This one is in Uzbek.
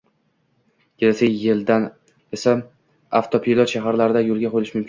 kelasi yildan esa – avtopilot shaharlarda yo‘lga qo‘yilishi mumkin.